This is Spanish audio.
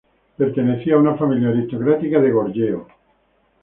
Pertenecía a una familia aristocrática de Goryeo.